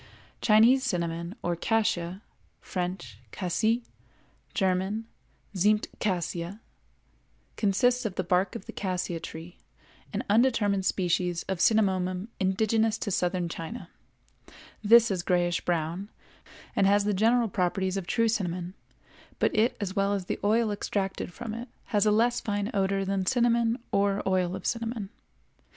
Chinese cinnamon or cassia (French, Cassie; German, Zimmtcassia) consists of the bark of the cassia tree, an undetermined species of Cinnamomum indigenous to Southern China; this is grayish brown and has the general properties of true cinnamon, but it as well as the oil extracted from it has a less fine odor than cinnamon or oil of cinnamon.